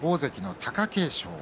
貴景勝